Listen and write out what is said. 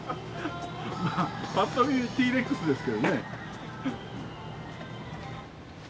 パッと見Ｔレックスですけどね。